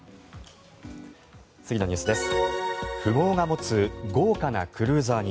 次のニュースです。